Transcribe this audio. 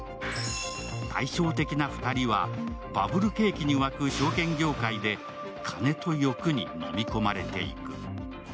対照的な２人は、バブル景気に沸く証券業界で金と欲に飲み込まれていく。